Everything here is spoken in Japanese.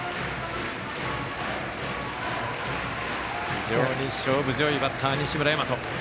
非常に勝負強いバッター西村大和。